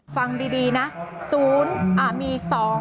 ฟังดีนะ๐มี๒๓๔๕๗๘๙